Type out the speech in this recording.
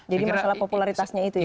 jadi masalah popularitasnya itu ya